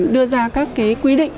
đưa ra các cái quy định